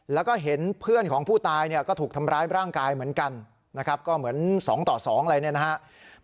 แล้วก็เห็นเพื่อนของผู้ตายก็ถูกทำร้ายร่างกายเหมือนกันก็เหมือนสองต่อสองอะไรนะครับ